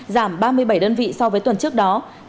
giảm ba mươi bảy đơn vị so với tuần trước đó